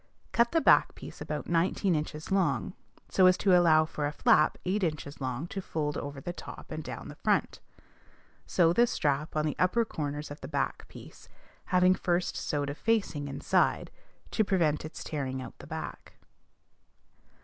Cut the back piece about nineteen inches long, so as to allow for a flap eight inches long to fold over the top and down the front. Sew the strap on the upper corners of the back piece, having first sewed a facing inside, to prevent its tearing out the back.